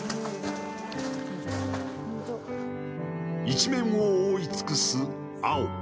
一面を覆い尽くす青。